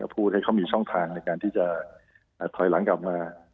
พูดให้เขามีช่องทางในการที่จะถอยหลังกลับมา